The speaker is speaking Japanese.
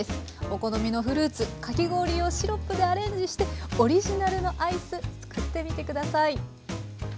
お好みのフルーツかき氷用シロップでアレンジしてオリジナルのアイス作ってみて下さい。